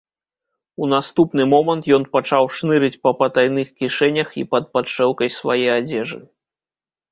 У наступны момант ён пачаў шнырыць па патайных кішэнях і пад падшэўкай свае адзежы.